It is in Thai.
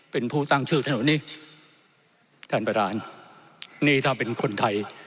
เป็นผู้ตั้งชื่อถนนนี้ท่านประธานนี่ถ้าเป็นคนไทย